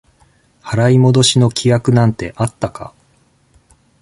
払い戻しの規約なんてあったか？